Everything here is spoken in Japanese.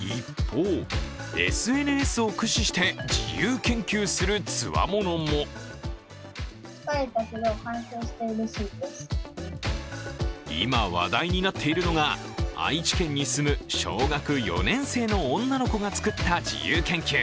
一方、ＳＮＳを駆使して自由研究するつわものも今、話題になっているのが愛知県に住む小学４年生の女の子が作った自由研究。